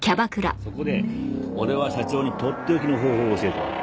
そこで俺は社長にとっておきの方法を教えたわけ。